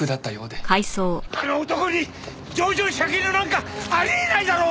あの男に情状酌量なんかあり得ないだろ！